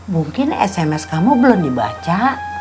mungkin sms kamu belum dibaca